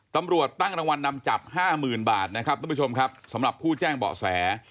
ตำรวจตั้งรางวัลนำจับ๕๐๐๐๐บาทสำหรับผู้แจ้งเบาะแส